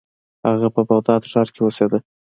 هغه په بغداد ښار کې اوسیده.